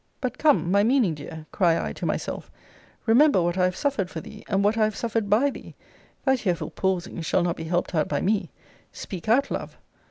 But, come, my meaning dear, cry I to myself, remember what I have suffered for thee, and what I have suffered by thee! Thy tearful pausings shall not be helped out by me. Speak out, love!